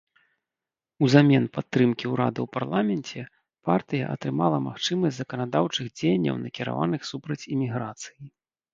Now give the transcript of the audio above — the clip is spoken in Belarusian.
Узамен падтрымкі ўрада ў парламенце, партыя атрымала магчымасць заканадаўчых дзеянняў накіраваных супраць іміграцыі.